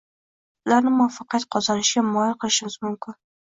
ularni muvaffaqiyat qozonishga moyil qilishimiz mumkin.